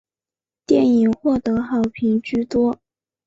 电影获得好评居多。